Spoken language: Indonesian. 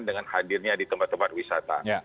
dengan hadirnya di tempat tempat wisata